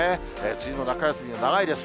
梅雨の中休みは長いです。